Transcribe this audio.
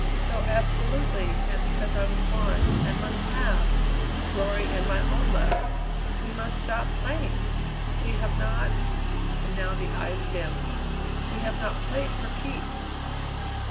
so absolutely, and because I would want, and must have, glory in my own love we must stop playing! We have not" and now the eyes dimmed "we have not played for keeps!"